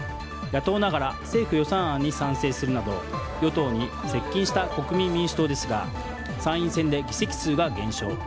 野党ながら政府予算案に賛成するなど与党に接近した国民民主党ですが参院選で議席数が減少。